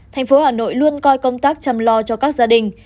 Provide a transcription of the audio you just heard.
thành phố hà nội luôn coi công tác chăm lo cho các gia đình